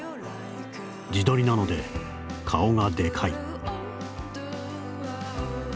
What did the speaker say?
自撮りなので顔がデカい。」。